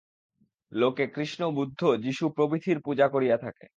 লোকে কৃষ্ণ বুদ্ধ যীশু প্রভৃতির পূজা করিয়া থাকে।